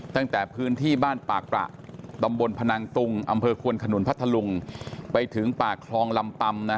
ตั้งแต่พื้นที่บ้านปากประตำบลพนังตุงอำเภอควนขนุนพัทธลุงไปถึงปากคลองลำปำนะ